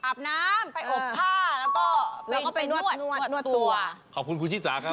ไปอบผ้าแล้วก็แล้วก็ไปนวดนวดตัวขอของคุณครูชิทธาครับ